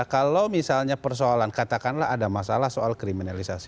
kalau misalnya persoalan katakanlah ada masalah soal kriminalisasi